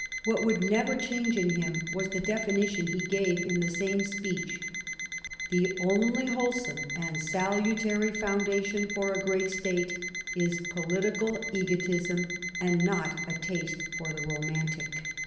What would never find change in him was the definition he gave in the same speech :" The only wholesome and salutary foundation for a great State is political egotism, and not a taste for the romantic."